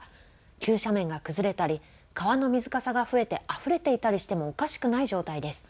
急斜面が崩れたり、川の水かさが増えて、あふれていたりしてもおかしくない状態です。